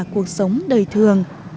cuộc sống đời thường